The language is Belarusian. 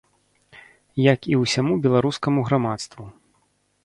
Як і ўсяму беларускаму грамадству.